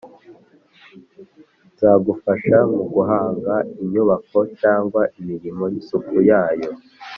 Nzagufasha mu guhanga inyubako cyangwa imirimo y’isuku yayo